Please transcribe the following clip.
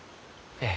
ええ。